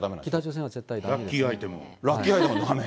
ラッキーアイテムも？